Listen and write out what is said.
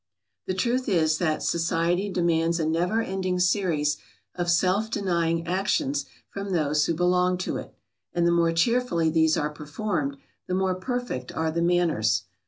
] The truth is that society demands a never ending series of self denying actions from those who belong to it, and the more cheerfully these are performed, the more perfect are the manners.